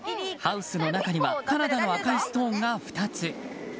ハウスの中にはカナダの赤いストーンが２つ。